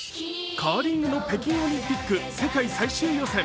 カーリングの北京オリンピック世界最終予選